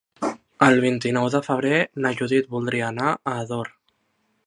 El vint-i-nou de febrer na Judit voldria anar a Ador.